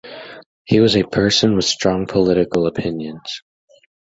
He was a person with strong political opinions.